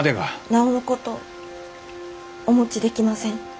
なおのことお持ちできません。